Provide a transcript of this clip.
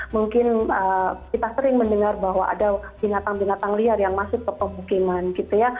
mungkin kita sering mendengar bahwa ada binatang binatang liar yang masuk ke pemukiman gitu ya